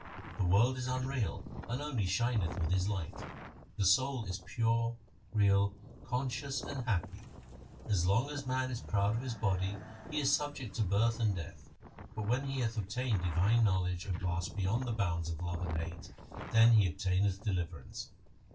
The world is unreal and only shineth with His light. The soul is pure, real, conscious, and happy. As long as man is proud of his body he is subject to birth and death, but when he hath obtained divine knowledge and passed beyond the bounds of love and hate, then he obtaineth deliverance.'